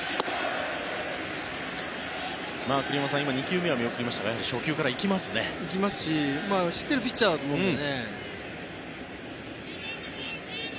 栗山さん、今２球目は見送りましたが行きますし知ってるピッチャーだと思うので。